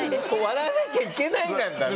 「笑わなきゃいけない」なんだね。